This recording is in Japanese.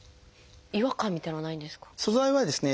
違和感みたいなのはないんですか？